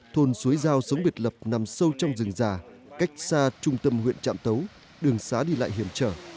thôn suối giao sống biệt lập nằm sâu trong rừng già cách xa trung tâm huyện trạm tấu đường xá đi lại hiểm trở